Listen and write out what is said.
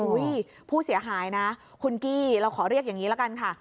ผู้เสียหายนะคุณกี้เราขอเรียกอย่างนี้ละกันค่ะ